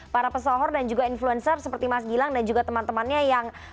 para pesohor dan juga influencer seperti mas gilang dan juga teman temannya yang